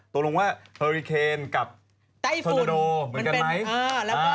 ตกลงว่าฮอริเคนกับไต้ฝุ่นเหมือนกันไหม